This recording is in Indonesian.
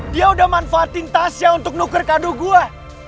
dia udah manfaatin tasnya untuk nuker kado gue